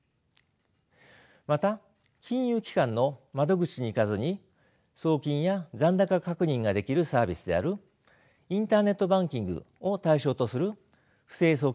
また金融機関の窓口に行かずに送金や残高確認ができるサービスであるインターネットバンキングを対象とする不正送金事犯が多発しています。